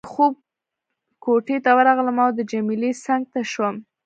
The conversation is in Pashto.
د خوب کوټې ته ورغلم او د جميله څنګ ته شوم.